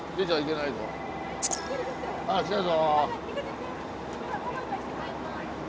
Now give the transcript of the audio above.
あ来たぞ。